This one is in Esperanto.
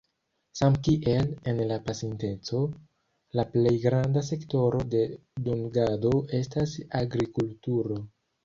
Samkiel en la pasinteco, la plej granda sektoro de dungado estas agrikulturo.